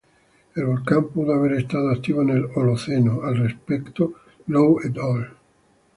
El volcán puede haber estado activo en el Holoceno, al respecto Lough et al.